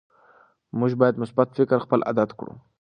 موږ باید مثبت فکر خپل عادت کړو